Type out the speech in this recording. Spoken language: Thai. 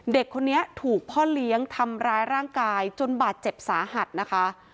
เด็กคนนี้ถูกพ่อเลี้ยงทำร้ายร่างกายจนบาดเจ็บสาหัสนะคะ